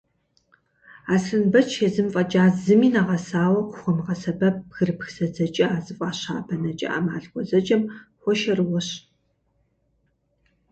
Аслъэнбэч езым фӏэкӏа зыми нэгъэсауэ къыхуэмыгъэсэбэп «бгырыпх зэдзэкӏа» зыфӏаща бэнэкӏэ ӏэмал гъуэзэджэм хуэшэрыуэщ.